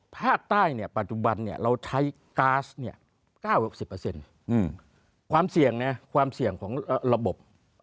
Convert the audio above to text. ภาคใต้ปัจจุบันเราใช้ก๊าซ๙๐ความเสี่ยงของระบบ